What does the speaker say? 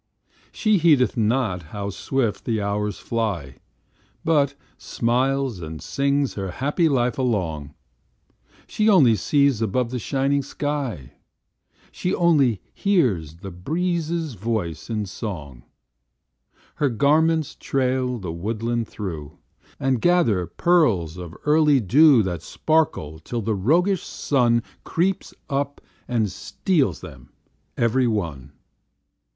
She heedeth not how swift the hours fly, But smiles and sings her happy life along; She only sees above a shining sky; She only hears the breezes' voice in song. Her garments trail the woodland through, And gather pearls of early dew That sparkle till the roguish Sun Creeps up and steals them every one.